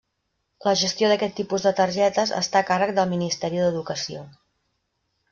La gestió d'aquest tipus de targetes està a càrrec del Ministeri d'Educació.